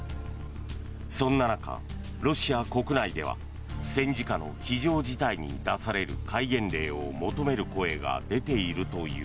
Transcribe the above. そんな中、ロシア国内では戦時下の非常事態に出される戒厳令を求める声が出ているという。